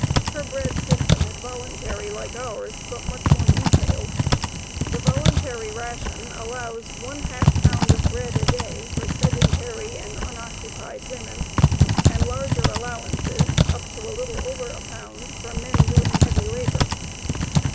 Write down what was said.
Her bread system is voluntary like ours, but much more detailed. The voluntary ration allows one half pound of bread a day for sedentary and unoccupied women and larger allowances up to a little over a pound for men doing heavy labor.